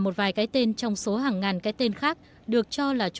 tổng thống argentina mauricio messi